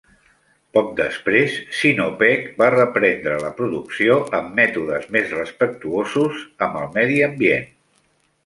Poc després, Sinopec va reprendre la producció con mètodes més respectuosos amb el medi ambient.